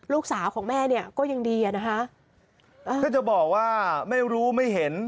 ลูกสาวของแม่เนี่ยก็ยังดีอ่ะนะคะถ้าจะบอกว่าไม่รู้ไม่เห็น